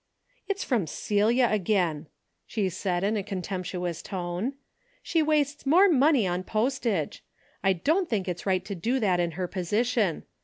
" It's from Celia again," she said, in a con temptuous tone. " She wastes more money on postage. I don't think it's right to do that in her position.